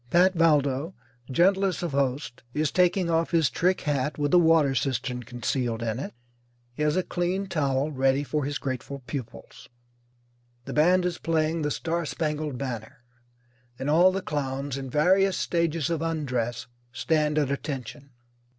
Pat Valdo, gentlest of hosts, is taking off his trick hat with the water cistern concealed in it. He has a clean towel ready for his grateful pupils. The band is playing "The Star Spangled Banner," and all the clowns, in various stages of undress, stand at attention.